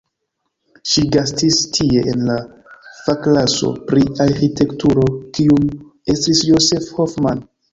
Ŝi gastis tie en la fakklaso pri arĥitekturo kiun estris Josef Hoffmann.